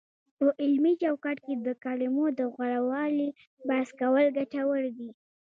په علمي چوکاټ کې د کلمو د غوره والي بحث کول ګټور دی،